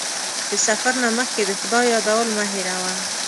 د سفر نه مخکې د خدای یادول مه هېروه.